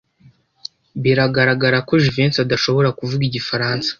Biragaragara ko Jivency adashobora kuvuga igifaransa.